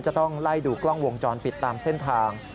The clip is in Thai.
จะต้องไล่ดูกล้องวงจรปิดตามเส้นทาง